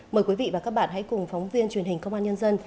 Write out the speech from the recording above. mời quý vị và các bạn hãy cùng phóng viên truyền hình công an nhân dân